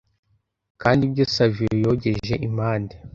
Kandi ibyo Savio yogeje impande